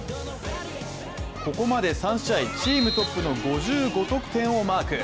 ここまで３試合、チームトップの５５得点をマーク。